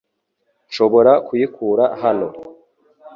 Nshobora kuyikura hano .